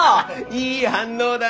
いい反応だね。